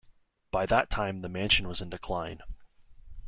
By that time the mansion was in decline.